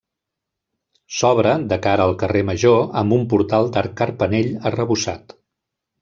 S'obre de cara al carrer Major amb un portal d'arc carpanell arrebossat.